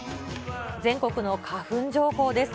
全国の花粉情報です。